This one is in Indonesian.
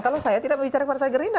kalau saya tidak bicara partai gerindra